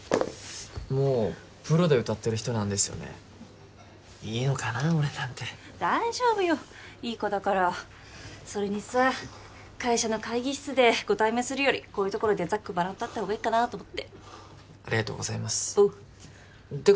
もうプロで歌ってる人なんですよねいいのかな俺なんて大丈夫よいい子だからそれにさ会社の会議室でご対面するよりこういうところでざっくばらんと会ったほうがいいかなと思ってありがとうございますおうてか